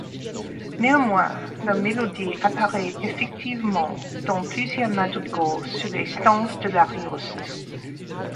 Néanmoins, la mélodie apparaît effectivement dans plusieurs madrigaux sur les stances de l'Arioste.